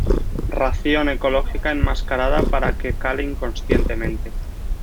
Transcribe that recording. Ración ecológica enmascarada para que cale inconscientemente.